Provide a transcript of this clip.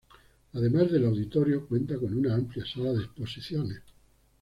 Además del auditorio cuenta con una amplia sala de exposiciones.